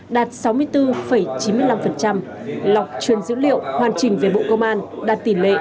đạt sáu mươi bốn chín mươi năm lọc chuyên dữ liệu hoàn chỉnh về bộ công an đạt tỉ lệ tám mươi tám sáu